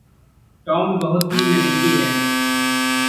Tom बहुत ही मेहनती है।